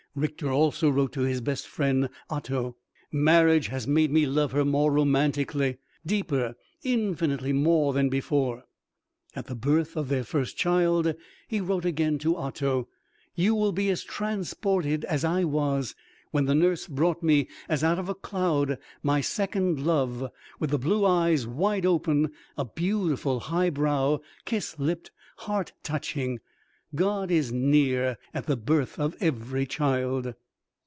Richter also wrote to his best friend, Otto, "Marriage has made me love her more romantically, deeper, infinitely more than before." At the birth of their first child, he wrote again to Otto, "You will be as transported as I was when the nurse brought me, as out of a cloud, my second love, with the blue eyes wide open, a beautiful, high brow, kiss lipped, heart touching. God is near at the birth of every child."